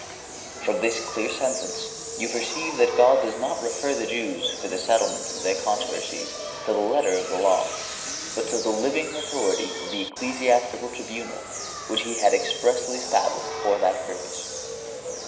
(135) From this clear sentence you perceive that God does not refer the Jews for the settlement of their controversies to the letter of the law, but to the living authority of the ecclesiastical tribunal which He had expressly established for that purpose.